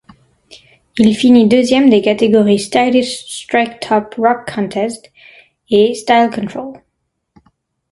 Il finit deuxième des catégories Stylish Strike-Top Rock Contest et Style Control.